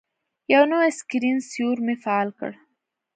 یو نوی سکرین سیور مې فعال کړ.